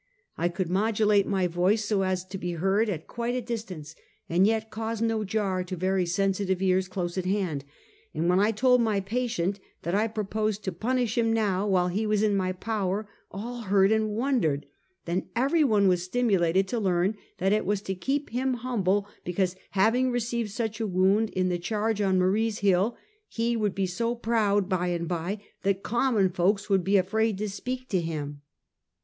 I could modulate my voice so as to be heard at quite a distance, and yet cause no jar to very sensitive nerves close at hand; and when I told my patient that I pro posed to punish him now, while he was in my power, all heard and wondered; then every one was stimulated to learn that it was to keep him humble, because, hav ing received such a wound in the charge on Marie's Hill, he would be so proud by and by that common folks would be afraid to speak to him.